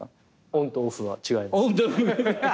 オンとオフは違います。